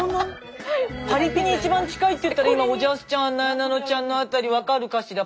パリピに一番近いっていったら今おじゃすちゃんなえなのちゃんの辺り分かるかしら？